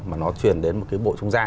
mà nó chuyển đến một cái bộ trung gian